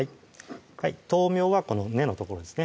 豆苗はこの根の所ですね